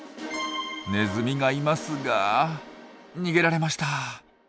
ネズミがいますが逃げられました。